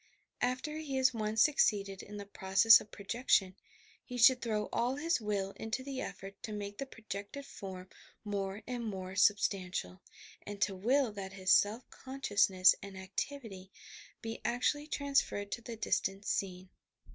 After he has once succeeded in the process of projection, he should throw all his will into the effort to make the projected form more and more substantial, and to will that his self consciousness and activity be actually transferred to the distant scene.